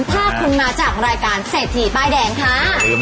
ถ้าคุณมาจากรายการเศรษฐีป้ายแดงค่ะ